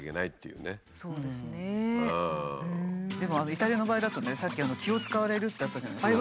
でもイタリアの場合だとねさっき気を遣われるってあったじゃないですか。